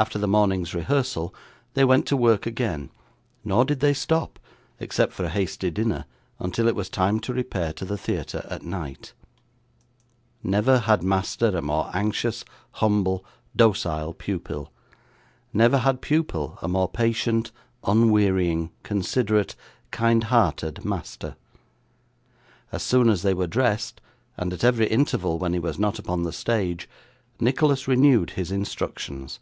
After the morning's rehearsal they went to work again, nor did they stop, except for a hasty dinner, until it was time to repair to the theatre at night. Never had master a more anxious, humble, docile pupil. Never had pupil a more patient, unwearying, considerate, kindhearted master. As soon as they were dressed, and at every interval when he was not upon the stage, Nicholas renewed his instructions.